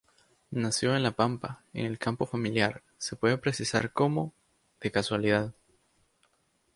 Nació en La Pampa, en el campo familiar, se puede precisar cómo: de casualidad.